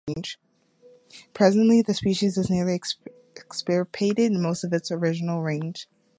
Presently, the species is nearly extirpated in most of its original range.